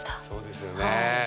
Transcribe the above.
そうですよね。